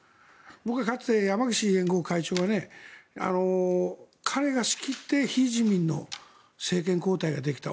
僕はかつて、山口連合会長が彼が仕切って非自民の政権交代ができた。